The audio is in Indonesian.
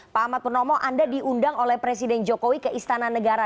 pak ahmad purnomo anda diundang oleh presiden jokowi ke istana negara